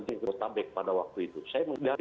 di kota bek pada waktu itu saya mengenal